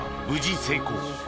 無事成功